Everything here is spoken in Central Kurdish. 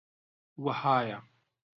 وەهایە: